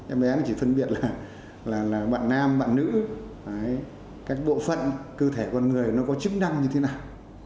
em bé nó chỉ phân biệt là bạn nam bạn nữ các bộ phận cơ thể con người nó có chức năng như thế nào